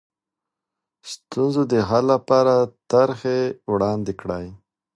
د ستونزو د حل لپاره طرحې وړاندې کړئ.